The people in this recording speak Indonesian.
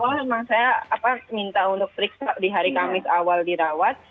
oh memang saya minta untuk periksa di hari kamis awal dirawat